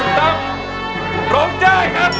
คุณตั้มร้องใจครับ